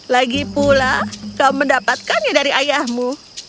lagi pula kau mendapatkannya dari ayahmu